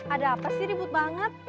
ada apa sih ribut banget